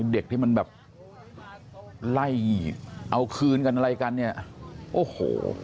เด็กที่มันแบบไล่เอาคืนกันอะไรกันเนี่ยโอ้โห